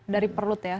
dari perut ya